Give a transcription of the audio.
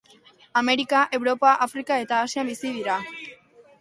Amerika, Europa, Afrika eta Asian bizi dira.